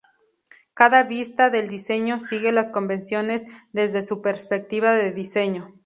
Cada vista del diseño sigue las convenciones de su perspectiva de diseño.